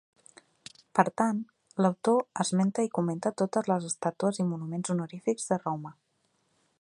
Per tant, l'autor esmenta i comenta totes les estàtues i monuments honorífics de Roma.